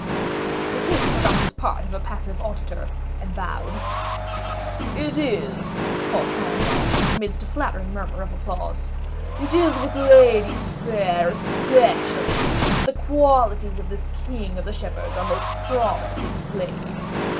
The king forgot his part of a passive auditor, and bowed. "It is," paused Saint Aignan, amidst a flattering murmur of applause, "it is with ladies fair especially that the qualities of this king of the shepherds are most prominently displayed.